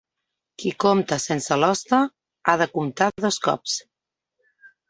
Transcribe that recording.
Qui compta sense l'hoste, ha de comptar dos cops.